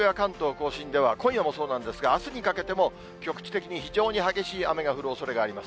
甲信では、今夜もそうなんですが、あすにかけても、局地的に非常に激しい雨が降るおそれがあります。